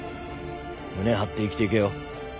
胸張って生きていけよ。